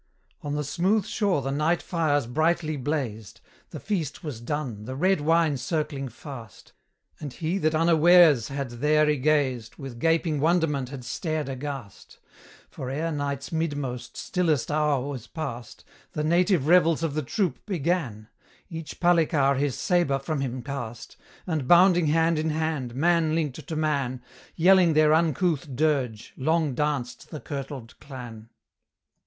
On the smooth shore the night fires brightly blazed, The feast was done, the red wine circling fast, And he that unawares had there ygazed With gaping wonderment had stared aghast; For ere night's midmost, stillest hour was past, The native revels of the troop began; Each palikar his sabre from him cast, And bounding hand in hand, man linked to man, Yelling their uncouth dirge, long danced the kirtled clan.